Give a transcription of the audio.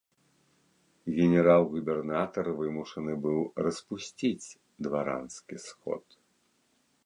Генерал-губернатар вымушаны быў распусціць дваранскі сход.